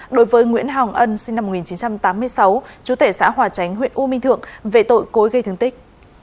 đối với nguyễn hồng ân sinh năm một nghìn chín trăm tám mươi sáu chú thể xã hòa chánh huyện u minh thượng về tội cối gây thương tích